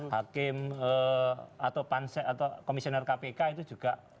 hakim atau komisioner kpk itu juga dpr